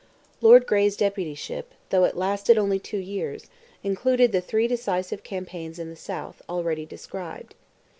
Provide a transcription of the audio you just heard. Lord Grey's deputyship, though it lasted only two years, included the three decisive campaigns in the South, already described.